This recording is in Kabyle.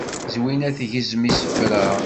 Zwina tgezzem isefra.